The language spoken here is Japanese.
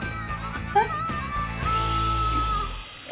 えっ？